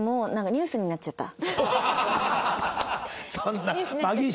ニュースになっちゃって。